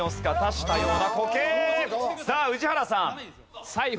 さあ宇治原さん。